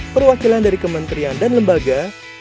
perwakilan dari kementerian dan lembaga